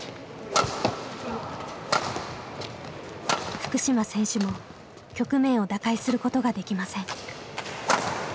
福島選手も局面を打開することができません。